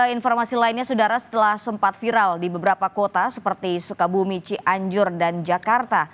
informasi lainnya saudara setelah sempat viral di beberapa kota seperti sukabumi cianjur dan jakarta